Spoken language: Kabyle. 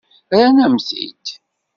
Rran-am-t-id.